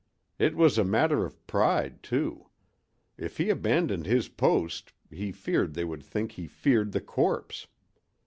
It was a matter of pride, too. If he abandoned his post he feared they would think he feared the corpse.